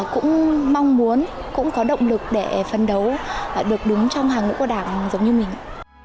cũng mong muốn cũng có động lực để phấn đấu được đứng trong hàng ngũ của đảng giống như mình